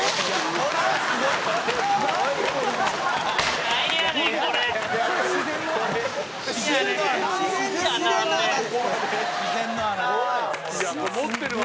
これはすごいわ。